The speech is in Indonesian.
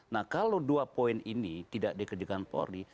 nah kalau dua poin ini tidak dikerjakan polri